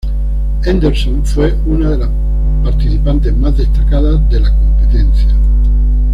Henderson fue una de las participantes más destacadas de la competencia.